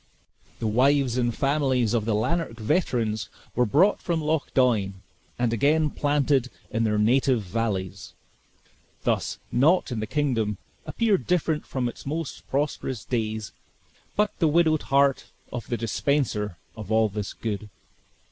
The wives and families of the Lanark veterans were brought from Loch Doine, and again planted in their native valleys; thus, naught in the kingdom appeared different from its most prosperous days, but the widowed heart of the dispenser of all this good.